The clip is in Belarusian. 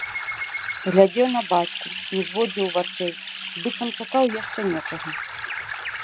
Глядзеў на бацьку, не зводзіў вачэй, быццам чакаў яшчэ нечага.